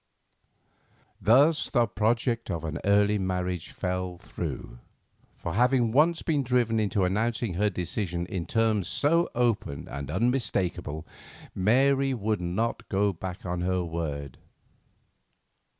Thus the project of an early marriage fell through; for, having once been driven into announcing her decision in terms so open and unmistakable, Mary would not go back on her word.